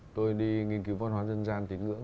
tôi đi nghiên cứu văn hóa dân gian tín ngưỡng